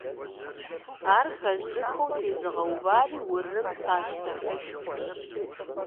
Ар хэзыхыу тезыгъэувари Урым пащтыхьышхуэрщ.